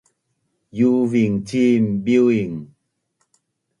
iuving cin biu’ing